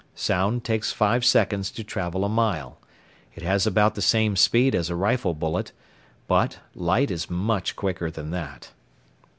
Sound takes five seconds to travel a mile it has about the same speed as a rifle bullet; but light is much quicker than that.